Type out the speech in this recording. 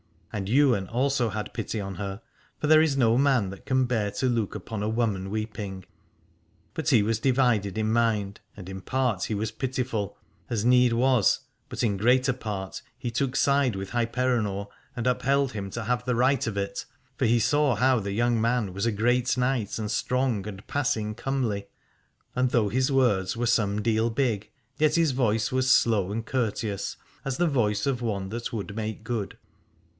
And Ywain also had pity on her, for there is no man that can bear to look upon a woman weeping. But he was divided in mind, and in part he was pitiful, as need was, but in greater part he took side with Hyperenor and upheld him to have the right of it. For he saw how the young man was a great knight and strong and passing comely: and though his words were some deal big, yet his voice was slow and courteous, as the voice of one that would make good.